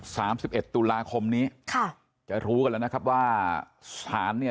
สามสิบเอ็ดตุลาคมนี้ค่ะจะรู้กันแล้วนะครับว่าสถานเนี่ย